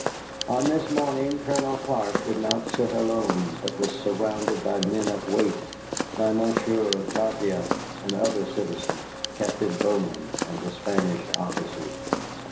On this morning Colonel Clark did not sit alone, but was surrounded by men of weight, by Monsieur Gratiot and other citizens, Captain Bowman and the Spanish officers.